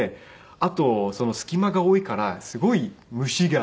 あと隙間が多いからすごい虫が。